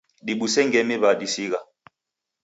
Dibuse ngemi w'adisigha